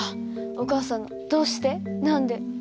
お母さんの「どうして？何で？」。